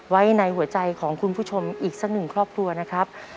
ไว้ในหัวใจของคุณผู้ชมอีกสักหนึ่งครอบครัวนะครับ